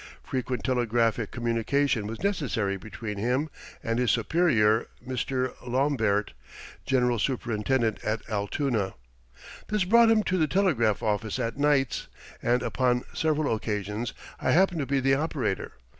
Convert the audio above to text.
Frequent telegraphic communication was necessary between him and his superior, Mr. Lombaert, general superintendent at Altoona. This brought him to the telegraph office at nights, and upon several occasions I happened to be the operator.